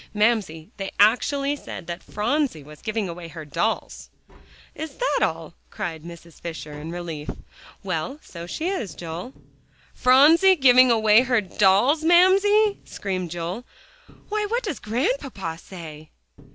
Mamsie, they actually said that Phronsie was giving away her dolls." "Is that all?" cried Mrs. Fisher in relief. "Well, so she is, Joel." "PHRONSIE GIVING AWAY HER DOLLS, MAMSIE?" screamed Joel. "Why, what does Grandpapa say?"